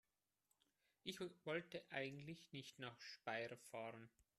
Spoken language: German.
Ich wollte eigentlich nicht nach Speyer fahren